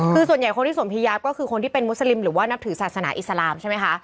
คือส่วนใหญ่คนที่สวมพียาฟก็คือคนที่เป็นมุสลิมหรือว่านับถือศาสนาอิสลามใช่ไหมคะ